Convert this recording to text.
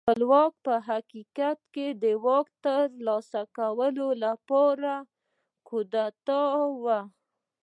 خپلواکي په حقیقت کې د واک ترلاسه کولو لپاره یوه کودتا وه.